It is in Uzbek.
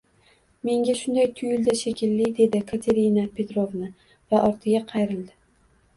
Menga shunday tuyuldi, shekilli, – dedi Katerina Petrovna va ortiga qayrildi.